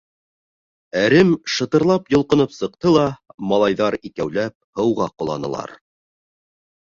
Әрем шытырлап йолҡоноп сыҡты ла малайҙар икәүләп һыуға ҡоланылар.